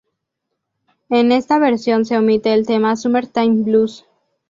En esta versión se omite el tema "Summertime Blues".